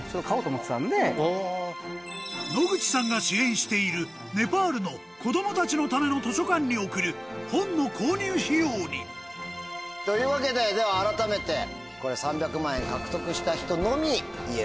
野口さんが支援しているネパールの子供たちのための図書館に送るというわけででは改めて３００万円獲得した人のみ言える